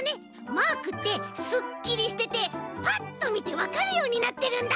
マークってすっきりしててパッとみてわかるようになってるんだ！